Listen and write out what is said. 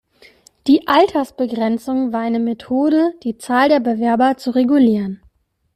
Die Altersbegrenzung war eine Methode, die Zahl der Bewerber zu regulieren.